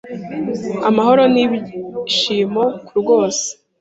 amahoro n'ibyishimokurwose